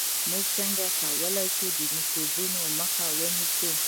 موږ څنګه کولای شو د میکروبونو مخه ونیسو